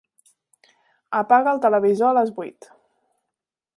Apaga el televisor a les vuit.